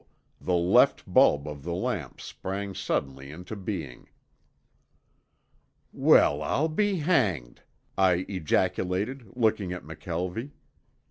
the left bulb of the lamp sprang suddenly into being. "Well, I'll be hanged!" I ejaculated, looking at McKelvie.